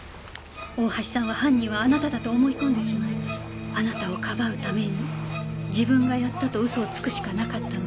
大橋さんは犯人はあなただと思い込んでしまいあなたをかばうために自分がやったと嘘をつくしかなかったの。